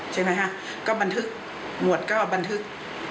ใช่ไหมคะก็บันทึกหมวดก็บันทึก